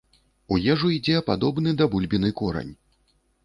У ежу ідзе падобны да бульбіны корань.